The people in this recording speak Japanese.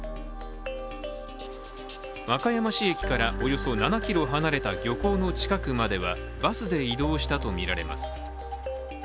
和歌山市駅からおよそ７ｋｍ離れた漁港の近くまではバスで移動したとみられます。